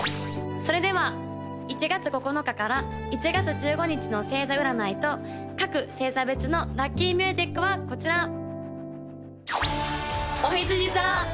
それでは１月９日から１月１５日の星座占いと各星座別のラッキーミュージックはこちら！